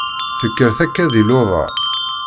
Tekker takka di luḍa!